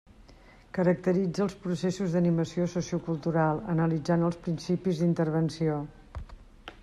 Caracteritza els processos d'animació sociocultural, analitzant els principis d'intervenció.